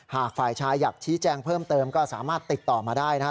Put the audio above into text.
หากฝ่ายชายอยากชี้แจงเพิ่มเติมก็สามารถติดต่อมาได้นะครับ